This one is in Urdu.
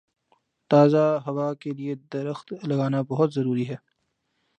تازہ ہوا کے لیے درخت لگانا بہت ضروری ہے۔